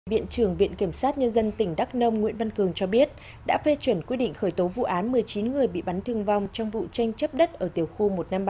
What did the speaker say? viện trưởng viện kiểm sát nhân dân tỉnh đắk nông nguyễn văn cường cho biết đã phê chuẩn quyết định khởi tố vụ án một mươi chín người bị bắn thương vong trong vụ tranh chấp đất ở tiểu khu một trăm năm mươi ba